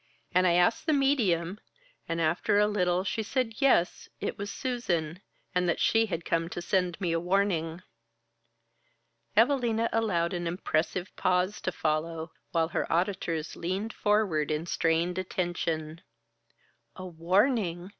And I asked the medium, and after a little, she said yes, it was Susan, and that she had come to send me a warning." Evalina allowed an impressive pause to follow, while her auditors leaned forward in strained attention. "A warning!"